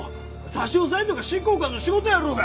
差し押さえるのが執行官の仕事やろうが！